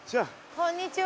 こんにちは。